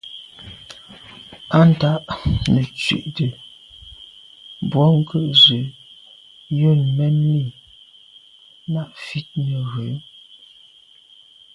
Á ndǎ’ nə̀ tswìdə̌ bwɔ́ŋkə́’ zə̄ yə̂n mɛ́n lî nâ’ fît nə̀ rə̌.